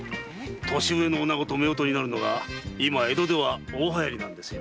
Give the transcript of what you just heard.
年上の女と夫婦になるのが今江戸では大流行なんですよ。